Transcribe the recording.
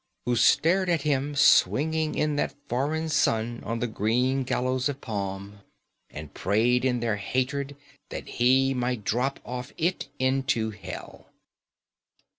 who stared at him swinging in that foreign sun on the green gallows of palm, and prayed in their hatred that he might drop off it into hell."